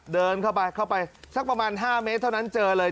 เดินเข้าไปเข้าไปสักประมาณ๕เมตรเท่านั้นเจอเลย